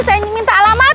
saya minta alamat